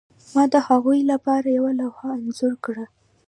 ما د هغوی لپاره یوه لوحه انځور کړه